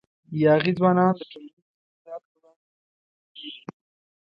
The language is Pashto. یاغي ځوانان د ټولنیز استبداد پر وړاندې سره یو ځای کېږي.